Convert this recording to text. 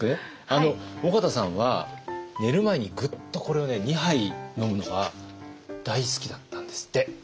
緒方さんは寝る前にグッとこれを２杯飲むのが大好きだったんですって。